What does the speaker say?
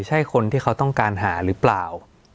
ใช่คนที่เขาต้องการหาหรือเปล่า